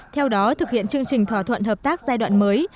theo đó thực hiện chương trình thỏa thuận hợp tác giai đoạn mới